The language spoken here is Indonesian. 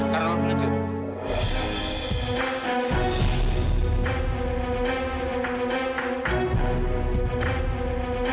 karena lo menunjuk